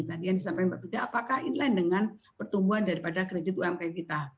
tadi yang disampaikan mbak frida apakah inline dengan pertumbuhan daripada kredit ump kita